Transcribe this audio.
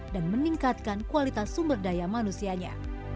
meningkatkan kualitas sumber daya manusianya